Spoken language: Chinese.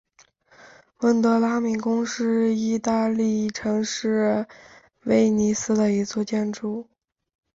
温德拉敏宫是义大利城市威尼斯的一座建筑。